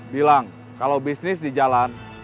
bilang kalau bisnis di jalan